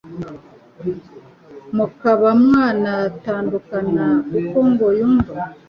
mukaba mwanatandukana kuko ngo yumva